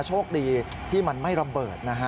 โชคดีที่มันไม่ระเบิดนะฮะ